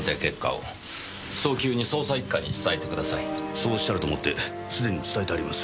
そうおっしゃると思ってすでに伝えてあります。